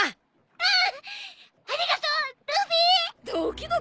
うん？